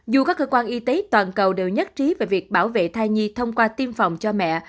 dù các cơ quan y tế toàn cầu đều nhất trí về việc bảo vệ thai nhi thông qua tiêm phòng cho mẹ